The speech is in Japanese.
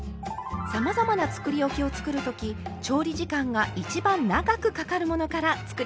さまざまなつくりおきを作るとき調理時間が一番長くかかるものから作り始めるといいですよ。